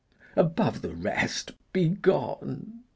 Above the rest, be gone.